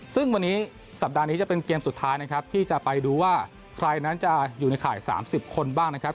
ซึ่งวันนี้สัปดาห์นี้จะเป็นเกมสุดท้ายนะครับที่จะไปดูว่าใครนั้นจะอยู่ในข่าย๓๐คนบ้างนะครับ